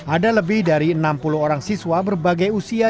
ada lebih dari enam puluh orang siswa berbagai usia